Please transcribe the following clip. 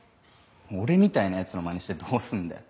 俺みたいなヤツのマネしてどうすんだよ。